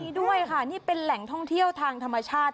ด้วยค่ะนี่เป็นแหล่งท่องเที่ยวทางธรรมชาติ